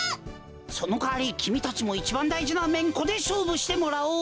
そのかわりきみたちもいちばんだいじなめんこでしょうぶしてもらおう！